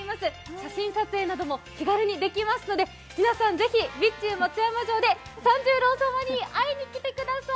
写真撮影なども気軽にできますので皆さん、ぜひ備中松山城でさんじゅーろー様に会いに来てください。